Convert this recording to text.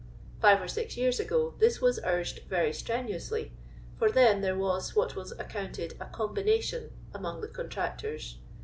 Five or six y^rs ago, this was urged very stienuously, for then there was what was accounted a oombination among the con tractors.